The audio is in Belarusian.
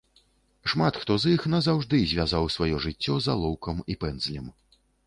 Шмат хто з іх назаўжды звязаў сваё жыццё з алоўкам і пэндзлем.